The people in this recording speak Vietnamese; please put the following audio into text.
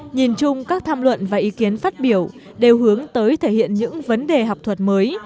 nhìn chung các tham luận và ý kiến phát biểu đều hướng tới thể hiện những vấn đề học thuật mới